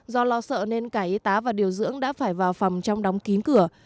do lo sợ nên cả y tá và điều dưỡng đã phải vào phòng trong đóng kín cửa